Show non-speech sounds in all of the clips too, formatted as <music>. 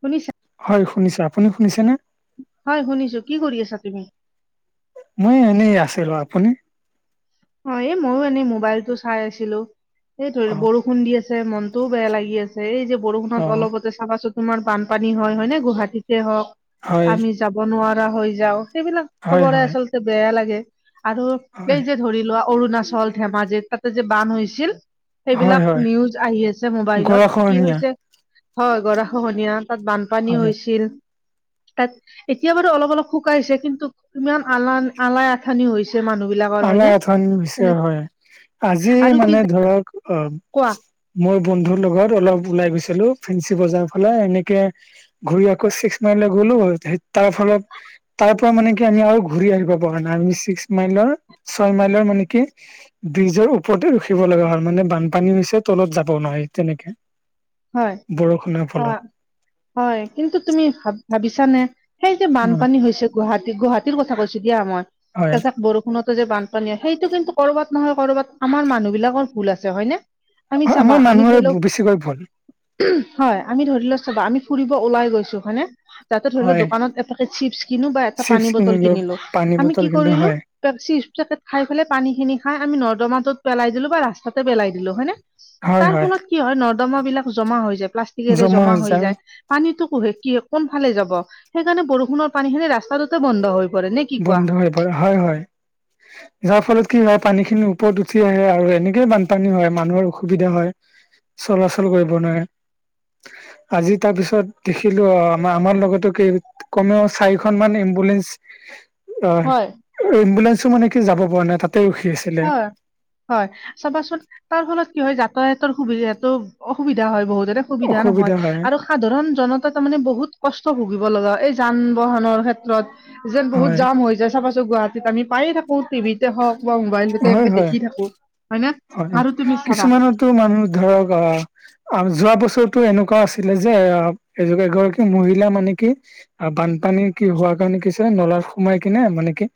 শুনিছা? হয় শুনিছো, আপুনি শুনিছেনে? হয় শুনিছো, কি কৰি আছা তুমি? মই এনেই আছিলো, আপুনি? অ এই ময়ো এনেই মোবাইলতটো চাই আছিলো সেই অ বৰষুণ দি আছে মনতটোও বেয়া লাগি আছে। এই যে বৰষুণত অ অলপতে চাবাচো তোমাৰ বানপানী হয় নে গুৱাহাটীতে হওক হয় আমি, যাব নোৱাৰা হৈ যাও সেইবিলাক হয় খবৰে হয় আচলতে বেয়া লাগে আৰু এই হয় যে, ধৰি লোৱা অৰুণাচল ধেমাজিত তাতে যে বান হৈছিল। হয় সেইবিলাক হয় নিউজ আহি আছে মোবাইলত কি গৰাখহনীয়া হৈছে হয় গৰা খহনীয়া তাত বান, পানী হয় হৈছিল তাত, এতিয়া বাৰু অলপ অলপ শুকাইছে কিন্তু ইমান আলা আলাই আথানি হৈছে মানুহ বিলাকৰ হয় নে। হয় অৱশ্যে হয় আজি আৰু কি মানে ধৰক অ, কোৱা মই বন্ধুৰ লগত অলপ ওলাই গৈছিলো ফেঞ্চি বজাৰ ফালে এনেকে, ঘূৰি আকৌ ছিক্স মাইলকলে গলো তাৰ ফলত, তাৰ পৰা মানে কি আমি আৰু ঘূৰি আহিব পৰা নাই আমি ছিক্স মাইলৰ ছয় মাইলৰ মানে কি, ব্ৰিজৰ ওপৰতে ৰখিব লগা হয়, মানে বানপানী হৈছে তলত যাব নোৱাৰি তেনেকে, হয় বৰষুণৰ ফলত হয় হয় কিন্তু তুমি ভা ভাবিছানে, সেই যে অ বানপানী হৈছে গুৱাহাটী গুৱাহাটীৰ কথা কৈছো দিয়া মই হয় এজাক বৰষুণত, যে বানপানী হয় সেইটো কিন্তু কৰ'বাত নহয় কৰ'বাত আমাৰ মানুহ বিলাকৰ ভুল আছে হয় নে, আমি চাবা আমাৰ আমি মানুহৰে ধৰি লওক, বেছিকৈ ভুল, হয় আমি ধৰি লৈ চাবা আমি ফুৰিব ওলাই গৈছো হয়নে, যাতে ধৰি লও হয় দোকানত এটা পাকেট চিপছ কিনো বা এটা পানী চিপছ বটল কিনিলো পানী আমি বটল কি কিনিলো কৰিলো, হয় চিপ পেকেট খাইপেলে পানী খিনি খাই আমি নৰ্দমাটোত পেলাই দিলো বা ৰাস্তাতে পেলাই দিলো হয় নে, তাৰ ফলত কি হয় নৰ্দমা বিলাক জমা হৈ যায় প্লাষ্টিকেৰে জমা হৈ যায়। পানীটো কুহে কি কোন ফালে যাব সেইকাৰণে বৰষুণৰ পানী খিনি ৰাস্তাটোতে বন্ধ হৈ পৰে নেকি, বন্ধ হৈ পৰে হয় হয়। <inaudible> যাৰ ফলত কি হয় পানী খিনি ওপৰত উঠি আহে আৰু এনেকেইে বানপানী হয় মানুহৰ অসুবিধা হয়। চলাচল কৰিব নোৱাৰে আজি তাৰ পিছত, দেখিলো অ আম আমাৰ লগতো কমেও চাৰিখন মান এম্বুলেন্ঞ্চ, অ হয়। এম্বুলেন্ঞ্চো মানে কি যাব পৰা নাই তাতে ৰখি আছে। হয়। হয় চাবাচোন তাৰ ফলত কি হয় যাতায়াতৰ সুবিধাতো অসুবিধা হয় বহুতৰে, সুবিধা নহয় অসুবিধা হয় আৰু, সাধাৰণ জনতা তাৰ মানে বহুত কষ্ট ভুগিব লগা এই যান বাহনৰ ক্ষেত্ৰত, যেন বহুত হয় জাম হৈ যায় চাবাছোন গুৱাহাটীত আমি পায়েই থাকো টিভিতে হওঁক বা মোবাইলটো হয় এনেকে হয় দেখি থাকোঁ। হয় কিছুমানতো মানুহ ধৰক আহ আ যোৱা বছৰো এনেকুৱা আছিলে যে এ এগৰাকী মহিলা মানে কি আহ বানপানী কি হোৱাৰ কাৰণে কিছে নলাত সোমাই কিনে মানে কি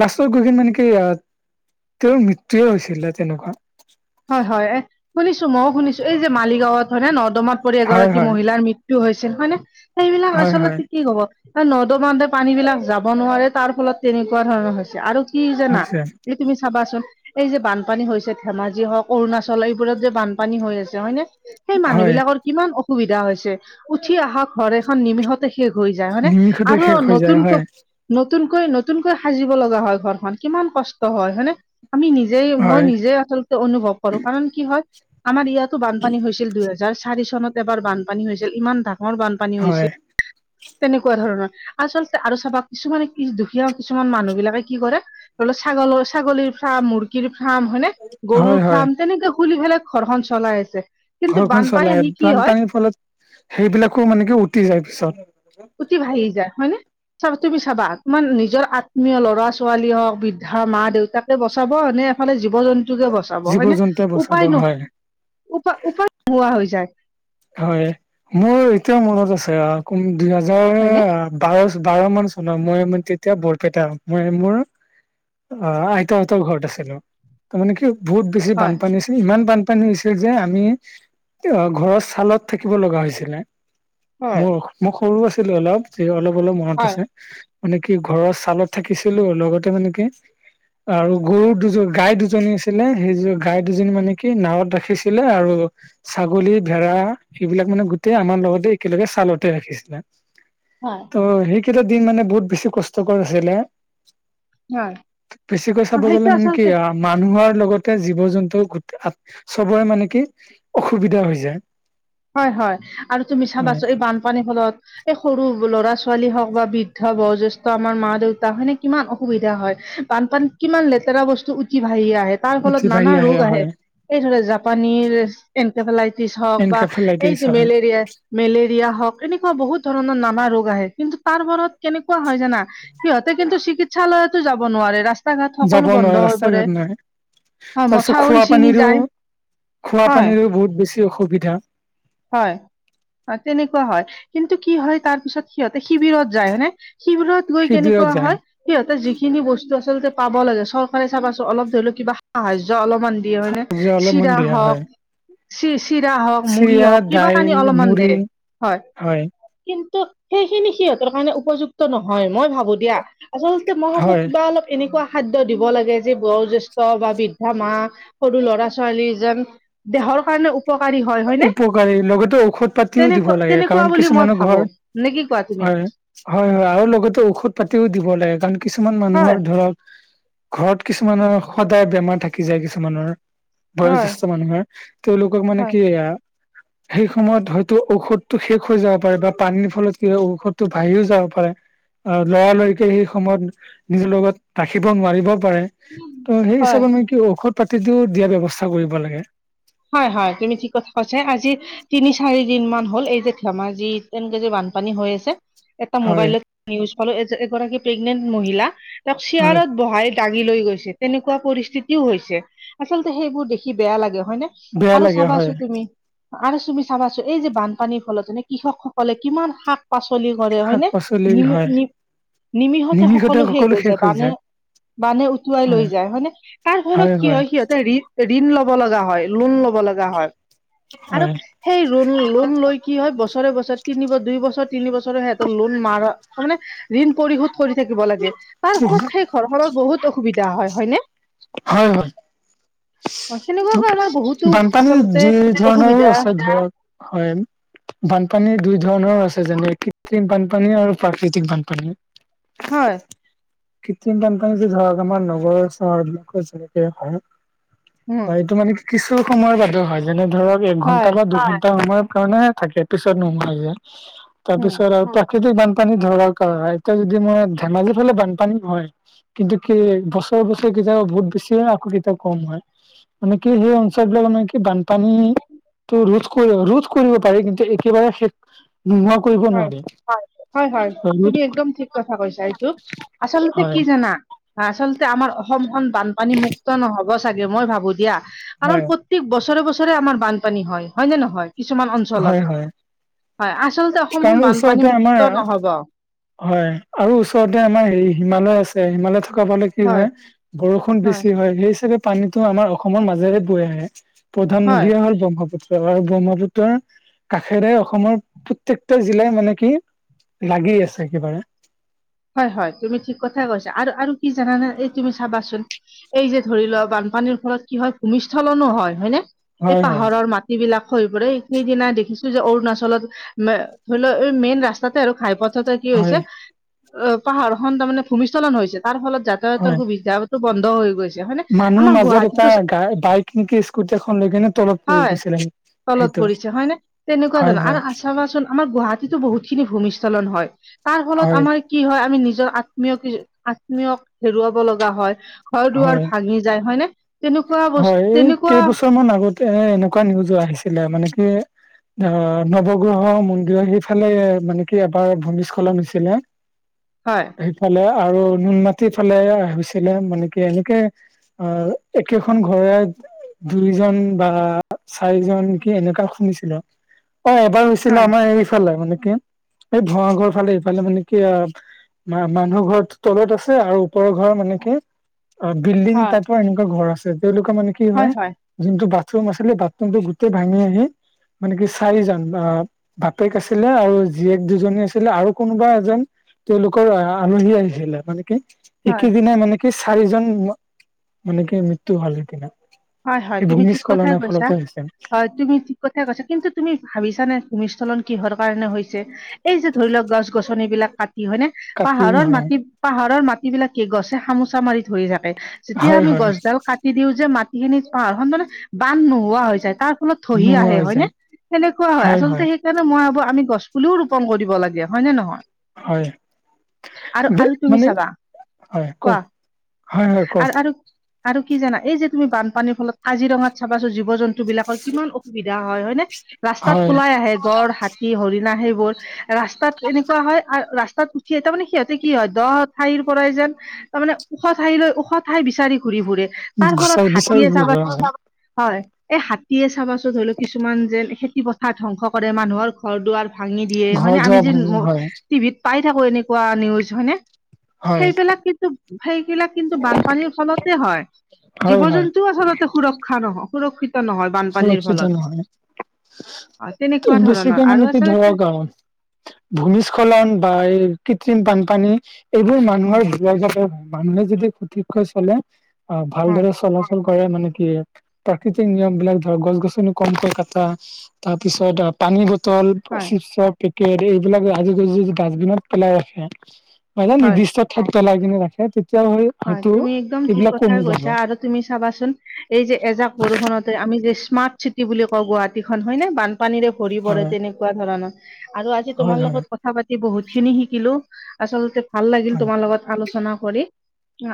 লাষ্টত গৈ কি মানে কি তেওঁৰ মৃত্যুয়ে হৈছিলে তেনেকুৱা হয়, হয় এ শুনিছোঁ মইয়ো শুনিছোঁ এই যে মালিগাঁৱত হয়নে ন। দমত পৰি হয় এগৰাকী হয় মহিলাৰ মৃত্যু হৈছিল হয়নে সেইবিলাক হয় হয় আচলতে কি হ'ব নৰ্দমাত বান্ধে পানী বিলাক যাব নোৱাৰে তাৰ ফলত তেনেকুৱা ধৰণৰ হৈছে আৰু কি জানা হৈছে এই তুমি চাবাচোন এই যে বানপানী হৈছে ধেমাজী যি হওক অৰুণাচল এইবোৰত যে বানপানী হৈ আছে হয়নে সেই মানুহ হয় বিলাকৰ কিমান অসুবিধা হৈছে উঠি অহা ঘৰ এখন নিমিষত শেষ হৈ যায় হয়নে নিমিষতে আৰু শেষ হৈ যায় নতুনকৈ হয় নতুনকৈ নতুনকৈ সাজিব লগা হয় ঘৰখন কিমান কষ্ট হয় হয়নে। আমি নিজে মই হয় নিজে আচলতে অনুভৱ কৰো কাৰণ কি হয় আমাৰ ইয়াতো বানপানী হৈছিল দুই হজাৰ দুইহাজাৰ চাৰি চনত এবাৰ বানপানী হৈছিল ইমান ডাঙৰ বানপানী হয় হৈছিল। তেনেকুৱা ধৰণৰ আচলতে আৰু চাবা কিছুমানে কি দুখীয়া কিছুমান মানুহ বিলাকে কি কৰে ধৰি লও ছাগল ছাগলীৰ ফাৰ্ম মুৰ্গীৰ ফাৰ্ম হয়নে গৰুৰ হয় হয় ফাৰ্ম তেনেকে খুলি পেলাই ঘৰখন চলাই আছে কিন্তু ঘৰখন বানপানী চলাই আহি কি হয় বানপানীৰ ফলত সেইবিলাকো মানে কি উটি যায় পিছত। উটি ভাহি যায় হয়নে। চাবা তুমি চাবা তোমাৰ নিজৰ আত্মীয় ল'ৰা ছোৱালী হওক বৃদ্ধা মা দেউতাক বচাব নে এফালে জীৱ জন্তুকে বচাব জীৱ হয়নে জন্তুৱে বচাব উপায় ন হয় উপায় উপায় নোহোৱা হৈ যায়। হয় মোৰ এতিয়াও মনত আছে ক দুই হাজাৰ হয়নে আঠ বাৰ, বাৰ মান চনৰ মই মানে তেতিয়া বৰপেটা মই মোৰ। অ', আইতা আইতাহঁতৰ ঘৰত আছিলোঁ তাৰ মানে কিয় বহুত বেছি হয় বানপানী হৈছিল ইমান বানপানী হৈছিল যে আমি অ', ঘৰত ছালত থাকিব লগা হৈছিলে হয় মোৰ মোক সৰু আছিলোঁ অলপ যে অলপ, অলপ মনত হয় আছে মানে কি ঘৰৰ ছালত থাকিছিলো লগতে মানে কি আৰু গৰুৰ দুযোৰ গাই দুজনী আছিলে সেইযোৰ গাই দুজনী মানে কি নাৱত ৰাখিছিলে আৰু ছাগলী ভেড়া এইবিলাক মানে গোটেই আমাৰ লগতে একেলগে ছালতে ৰাখিছিলে। হয়। অ', সেইকেইটা দিন মানে বহুত বেছি কষ্টকৰ আছিলে। হয় বেছিকৈ চাব গ'লে সেইটো মানে কি আচলতে আৰু মানুহৰ লগতে জীৱ জন্তু চবৰে মানে কি অসুবিধা হৈ যায়। হয়, হয় আৰু তুমি হয় চাবাচোন এই বানপানীৰ ফলত এই সৰু ল'ৰা ছোৱালী হওক বা বৃদ্ধ বয়োজ্যেষ্ঠ আমাৰ মা দেউতা হয়নে কিমান অসুবিধা হয়। বানপানীত কিমান লেতেৰা বস্তু উঠি ভাহি আহে তাৰ উঠি ফলত বাঢ়ি নানা ৰোগ আহে। হয় এই ধৰা জাপানীৰ এনকেফেলাইটিছ হওক বা এই এনকেফেলাইটিছ যে হয় মেলেৰিয়া মেলেৰিয়া হওঁক এনেকুৱা বহুত ধৰণৰ নানা ৰোগ আহে কিন্তু তাৰ বৰত কেনেকুৱা হয় জানা সিহঁতে কিন্তু চিকিৎসালয়তো যাব নোৱাৰে ৰাস্তা ঘাট সকলো যাব বন্ধ নোৱাৰে হৈ ৰাস্তা পৰে ঘাট নহয় হয় তাৰপিছত মথাউৰি ছিঙি খোৱাপানীৰো যায় হয় খোৱাপানীৰ বহুত বেছি অসুবিধা হয়। তেনেকুৱা হয় কিন্তু কি হয় তাৰ পিছত সিহঁতে শিবিৰত যায় হয়নে শিবিৰত গৈ শিবিৰত কেনেকুৱা যায় হয় সিহঁতে যিখিনি বস্তু আচলতে পাব লাগে চৰকাৰে চাবাচোন অলপ ধৰি লওক কিবা সাহায্য অলপমান দিয়ে হয় ন শিবিৰত অলপমান চিৰা বেয়া হওক হয় চি চিৰা হওক মুড়ি চিৰা হওক কিবা কানি দাইল অলপমান দেই মুড়ি হয় কিন্তু সেইখিনি সিহঁতৰ কাৰণে উপযুক্ত নহয় মই ভাবো দিয়া আচলতে মই ভাৱো হয় কিবা অলপ এনেকুৱা খাদ্য দিব লাগে যে বয়োজ্যেষ্ঠ বা বৃদ্ধা মা সৰু ল'ৰা ছোৱালী যেন দেহৰ কাৰণে উপকাৰী হয় হয়নে উপকাৰী লগতে ঔষধ পাতিও দিব তেনেকুৱা লাগে তেনেকুৱা কাৰণ বুলি মই কিছুমানৰ ভাবো ঘৰত নে কি কোৱা তুমি? হয় হয় হয় আৰু লগতে ঔষধ পাতিও দিব লাগে কাৰণ কিছুমান হয় মানুহৰ ধৰক ঘৰত কিছুমানৰ সদায় বেমাৰ থাকি যায় কিছুমানৰ হয় বয়োজেষ্ঠ মানুহৰ তেওঁলোকক মানে হয় কি এয়া সেই সময়ত হয়তো ঔষধটো শেষ হৈ যাব পাৰে বা পানীৰ ফলত কি হয় ঔষধটো বাঢ়িও যাব পাৰে অ লৰা লৰিকে সেই সময়ত নিজৰ লগত ৰাখিব নোৱাৰিব পাৰে ত' সেই হয় হিচাপে মই কি ঔষধ পাতি দিও দিয়া ব্যৱস্থা কৰিব লাগে হয় হয় তুমি ঠিক কথা কৈছা আজি তিনি চাৰি দিন মান হ'ল এই যে ধেমাজি তেনেকে যে বানপানী হৈ আছে। এটা হয় মোবাইলত ইউজ কৰো এগৰাকী প্ৰেগনেন্ট মহিলা তেওঁক হয় শ্বেয়াৰত বহাই দাঙি লৈ গৈছে তেনেকুৱা পৰিস্থিতিও হৈছে আচলতে সেইবোৰ দেখি বেয়া লাগে হয় ন বেয়া আৰু লাগে চাবা হয় আছো তুমি আৰু তুমি চাবা চোন এই যে বানপানীৰ ফলতনে কৃষক সকলে কিমান শাক পাচলি কৰে শাক হয়নে পাচলি হয় নিমি নিমিষতে সকলো শেষ হৈ যায় মানে বানে উটুৱাই লৈ হয় যায় হয়নে তাৰ ফলত কি হয় সিহঁত ঋণ ল'ব লগা হয় লোন ল'ব লগা হয় আৰু হয় সেই লোণ লোন লৈ কি হয় বছৰে বছৰে তিনি বা দুই বছৰ তিনি বছৰে সিহঁত লোন মাৰ তাৰমানে ঋণ পৰিশোধ কৰি থাকিব লাগে তাৰ হয় ফলত সেই ঘৰখনৰ বহুত অসুবিধা হয় হয়নে হয় হয় সেনেকুৱা আকৌ আমাৰ বহুতো বানপানী আচলতে যি ধৰণৰো অসুবিধা আছে ধৰক হয় বানপানী দুই ধৰণৰ আছে যেনে কৃত্ৰিম বানপানী আৰু প্ৰাকৃতিক বানপানী হয় কৃত্ৰিম বানপানী যে ধৰক আমাৰ নগৰ চহৰ বিলাকৰ যেনেকে হয় উম বা এইটো মানে কিছু সময়ৰ বাদে হয় যেনে ধৰক হয় একঘণ্টা বা দুঘন্টা সময়ৰ কাৰণে থাকে পিছত নোসোমাই যে তাৰ উম পিছত আৰু তাক প্ৰাকৃতিক বানপানী ধৰাৰ কাৰণ হয় এতিয়া যদি মই ধেমাজি ফালে বানপানী হয় কিন্তু কি বছৰে বছৰে কেতিয়াবা বহুত বেছি হয় আকৌ কেতিয়াবা কম হয় মানে কি সেই অঞ্চলবিলাক মানে কি বানপানীটো ৰোধ ৰোধ কৰিব পাৰি, কিন্তু একেবাৰে শেষ নোহোৱা কৰিব হয়, নোৱাৰি। হয়, হয়! ৰোধ তুমি একদম ঠিক কথা কৈছা এইটো আচলতে হয় কি জানা আচলতে আমাৰ অসমখন বানপানীমুক্ত নহ'ব চাগে মই ভাবোঁ দিয়া, কাৰণ হয় প্ৰ ত্যেক, বছৰে, বছৰে আমাৰ বানপানী হয়! হয়নে নহয় কিছুমান অঞ্চলত হয় হয় হয় আচলতে অসমখন কাৰণ বানপানী ওচৰতে আমাৰ মুুক্ত নহ'ব! হয় আৰু ওচৰতে আমাৰ হেৰি হিমালয় আছে! হিমালয় থকা ফালে কি হয় বৰষুণ বেছি হয় সেই হিচাপে পানীটো আমাৰ অসমৰ মাজেৰে বৈ আহে, প্ৰধান হয় নদীয়ে হল ব্ৰহ্মপুত্ৰ আৰু ব্ৰহ্মপুত্ৰৰ কাষেৰেই অসমৰ, প্ৰত্যকটো জিলাই মানে কি লাগি আছে একেবাৰে, হয় হয় তুমি ঠিক কথাই কৈছা আৰু আৰু কি জানানে এই তুমি চাবাচোন এই যে ধৰি লোৱা বানপানীৰ ফলত কি হয় ভূমস্থলনো হয় হয়নে এই হয় হয় পাহাৰৰ মা যিবিলাক খহি পৰে সেইদিনা দেখিছো যে অৰুণাচলত ধৰি লও এই মেইন ৰাস্তাতে আৰু ঘাইপথতে কি হয় হৈছে অ পাহাৰ খন তাৰমানে ভূমিস্থলন হৈছে তাৰ ফলত হয় যাতায়াতৰ সুবিধা বন্ধ হৈ গৈছে হয় নে মানুহৰ মাজত এটা গা বাইক নেকি স্কুটি এখন লৈ কিনে তলত পৰি হয় গৈছিলে সি তলত পৰিছে হয় নে তেনেকুৱা ধৰণৰ আৰু আ চাবাচোন আমাৰ গুৱাহাটীতো বহুত খিনি ভূমিস্থখলন হয় তাৰ ফলত হয় আমাৰ কি হয় আমি নিজৰ আত্মীয়ক আত্মীয়ক হেৰুৱাব লগা হয় ঘৰ দুৱাৰ হয় ভাঙি যায় হয়নে তেনেকুৱা বস্তু হয়! এই তেনেকুৱা কেইবছৰমান আগতে এনেকুৱা নিউজো আহিছিলে, মানে কি অ', নৱগ্ৰহ মন্দিৰৰ সেইফালে মানে কি এবাৰ ভূমিস্খলন হৈছিলে! হয়! সেইফালে আৰু নুনমাটিত ফালে হৈছিলে, মানে কি এনেকে অ' একেখন ঘৰৰে দুইজন বা চাৰিজনকে এনেকা শুনিছিলোঁ! অ' এবাৰ ছিলে হয় আমাৰ এইফালে মানে কি এই ভাড়াঘৰ ফালে এইফালে মানে কি আ মা মানুহ ঘৰত তলত আছে আৰু ওপৰৰ ঘৰ মানে কি, অঁ, বিল্ডিং হয় তাতো এনেকুৱা ঘৰ আছে তেওঁলোকৰ মানে কি হয়! যোনটো বাথৰুম আছিলে বাথৰুমটো গোটেই ভাঙি আহি, মানে কি চাৰিজন আ বাপেক আছিলে আৰু জীয়েক দুজনী আছিলে আৰু কোনোবা এজন, তেওঁলোকৰ আলহী আহিছিলে মানে কি হয় একেইদিনাই মানে কি চাৰিজন, মানে কি মৃত্যু হল সেইদিনা হয় হয় এই তুমি ঠিক কথাই ভূমিস্খলনৰ কৈছা। ফলতে হৈছে হয় তুমি ঠিক কথাই কৈছা কিন্তু তুমি ভাবিছা নে ভূমিস্খলন কিহৰ কাৰণে হৈছে, এই যে ধৰি লওক গছ গছনিবিলাক কাটি হয়নে কাটি পাহাৰৰ হয় মাটি, পাহাৰৰ মাটি বিলাকে কি গছে খামোচা মাৰি ধৰি থাকে যেতিয়া হয় আমি হয় গছডাল কাটি দিও যে মাটি, সেইখিনি পাহাৰখন মানে বান নোহোৱা হৈ যায় তাত, অলপ থহি নোহোৱা আহে হৈ হয় নে যায় সেনেকুৱা হয় আচলতে হে, সেইকাৰণে মই ভাবোঁ আমি গছ পুলিও ৰোপণ কৰিব লাগে হয়নে নহয়? হয় আৰু আৰু তুমি মানে চাবা হয় কোৱা কওক হয় হয় কওক? আৰু আৰু আৰু কি জানা এই যে তুমি বানপানীৰ ফলত কাজিৰঙাত চাবাচো জীৱ -জন্তু, বস্তু বিলাকৰ কিমান অসুবিধা হয় হয়নে! ৰাস্তাত হয় ওলাই আহে গড় হাতী হৰিণা সেইবোৰ, ৰাস্তাত এনেকুৱা হয় ৰাস্তাত উঠি তাৰ মানে সিহঁতে কি হয় 'দ' ঠাইৰ পৰাই যেন, তাৰমানে ওখ ঠাই লৈ ওখ ঠাই বিচাৰি ঘূৰি ফুৰে, তাৰ গুচা ফলত হাতীয়ে চাবা হয়! এই হাতীয়ে চাবাচোন ধৰি লও কিছুমান যেন খেতি প সাৰ ধ্বংস কৰে মানুহৰ ঘৰ দুৱাৰ ভাঙি দিয়ে ঘৰ হয়নে! আমি দুৱাৰ যে, ভাঙি হয় টিভিত পাই থাকো এনেকুৱা নিউজ হয়নে? হয় সেইবিলাক কিন্তু সেইবিলাক কিন্তু বানপানীৰ ফলতে হয়! জীৱ হয় হয় জন্তুও আচলতে সুৰক্ষা নহয় সুৰক্ষিত নহয়! বানপানীৰ সুৰক্ষিত ফলত নহয় হয় তেনেকুৱা ধৰণৰ বেছিকে আৰু মানে কি আচলতে ধৰা কাৰণ, ভূমিস্খলন বা এই কৃত্ৰিম বানপানী এইবোৰ হয় মানুহৰ, ইয়াত যাতে মানুহে যদি সঠিক কৈ চলে অঁ হয় ভালদৰে চলে ভুল কৰে মানে কি? প্ৰাকৃতিক নিয়ম বিলাক ধৰক গছ-গছনি কমকৈ কটা। তাৰপিছত আ পানী বটল, হয় চিপচৰ পেক কেত এইবিলাক আজি যদি যি ডাষ্টবিনত পেলাই ৰাখে। মানে হয় নিৰ্দিষ্ট ঠাইত পেলাইকিনি ৰাখে। তেতিয়া হৈও হয়, তুমি একদম ঠিক কথাই কৈছা। আৰু তুমি চাবাচোন। এই যে এজাক বৰষুতে আমি যে স্মাৰ্ট চিটি বুলি কওঁ গুৱাহাটীখন হয়নে? বান পানীৰে ভৰি পৰে হয় তেনেকুৱা ধৰণৰ আৰু আজি হয় তোমাৰ হয় লগত ক থা পাতি বহুতখিনি শিকিলো। আচলতে ভাল লাগিল হয় তোমা লগত আলোচনা কৰি।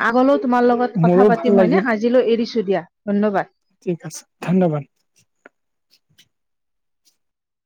আগলো তোমাৰ লগত মোৰো কথা ভাল পাতিম হয়নে? লাগিল আজিলৈ এৰিছো দিয়া। ধন্যবাদ। ঠিক আছে। ধন্যবাদ।